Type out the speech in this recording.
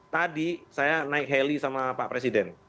tadi saya naik heli sama pak presiden